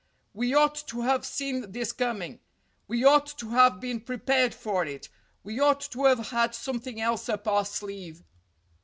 "We ought to have seen this coming. We ought to have been prepared for it. We ought to have had something else up our sleeve."